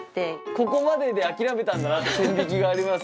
ここまでで諦めたんだなっていう線引きがあります。